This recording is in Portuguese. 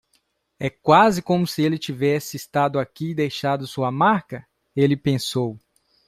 É quase como se ele tivesse estado aqui e deixado sua marca? ele pensou.